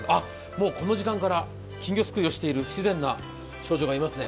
もうこの時間から金魚すくいをしている不自然な少女がいますね。